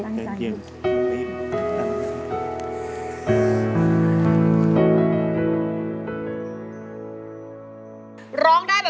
เพลงที่สามมูลค่าสี่หมื่นบาทกีต้าร้องได้หรือว่าร้องผิดครับ